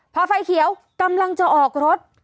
พอไฟเขียวกำลังจะออกรถ